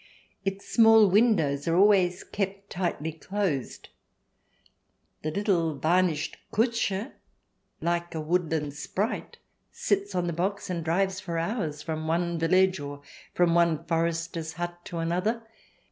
Its small windows are always kept tightly closed. The little varnished Kutscher, like a woodland sprite, sits on the box and drives for hours from one village, or from one forester's hut, to another.